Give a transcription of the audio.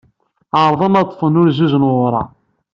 Ɛerḍen ad ḍḍfen ulzuz n wureɣ.